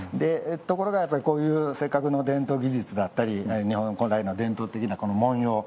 ところがこういうせっかくの伝統技術だったり日本古来の伝統的なこの文様